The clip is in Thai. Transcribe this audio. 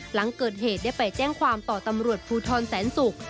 หลังเกิดเหตุได้ไปแจ้งความต่อตำรวจภูทรแสนศุกร์